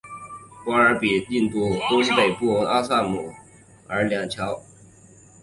博济比尔桥是印度东北部阿萨姆邦横跨布拉马普特拉河的公铁两用桥。